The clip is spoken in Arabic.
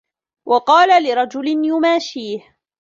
وَقَالَ لِرَجُلٍ يُمَاشِيهِ